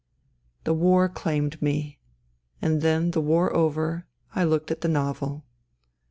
The war claimed me. And then, the war over, I looked at the novel.